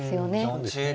そうですね。